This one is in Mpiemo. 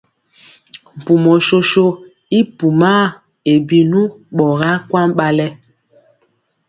Mpumɔ soso i pumaa e binu ɓɔgaa kwaŋ ɓalɛ.